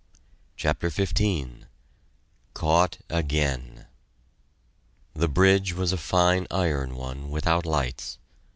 CHAPTER XV CAUGHT AGAIN The bridge was a fine iron one without lights.